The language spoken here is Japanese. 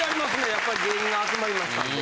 やっぱり芸人が集まりましたんで。